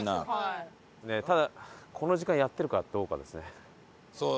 ただこの時間やってるかどうかですね。